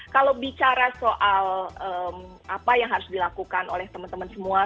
kalau bicara soal apa yang harus dilakukan oleh teman teman semua